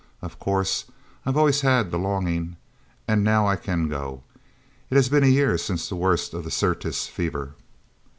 Of course I've always had the longing. And now I can go. It has been a year since the worst of the Syrtis Fever."